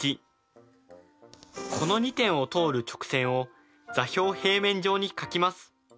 この２点を通る直線を座標平面上に書きます。